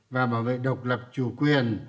và bảo vệ độc lập chủ quyền